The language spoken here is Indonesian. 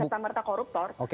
rasa samerta koruptor